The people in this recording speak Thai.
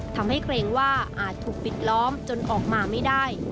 เกรงว่าอาจถูกปิดล้อมจนออกมาไม่ได้